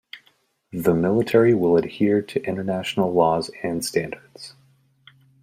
The Military will adhere to international laws and standards.